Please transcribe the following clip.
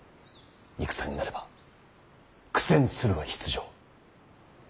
戦になれば苦戦するは必定。